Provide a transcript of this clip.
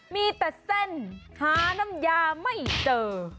มีแต่เส้นหาน้ำยาไม่เจอ